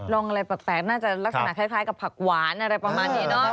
ลองอะไรแปลกน่าจะลักษณะคล้ายกับผักหวานอะไรประมาณนี้เนาะ